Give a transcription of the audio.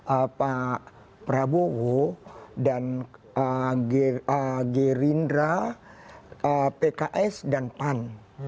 karena prabowo dan gerindra pks dan pan